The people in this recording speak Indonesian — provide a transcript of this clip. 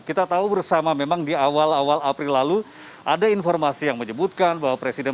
kita tahu bersama memang di awal awal april lalu ada informasi yang menyebutkan bahwa presiden